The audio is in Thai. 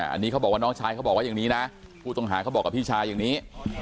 อันนี้เขาบอกว่าน้องชายเขาบอกว่าอย่างนี้นะผู้ต้องหาเขาบอกกับพี่ชายอย่างนี้